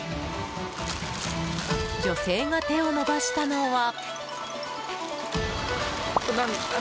女性が手を伸ばしたのは。